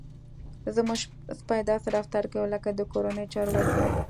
زموږ سپی داسې رفتار کوي لکه د کورنیو چارو وزير.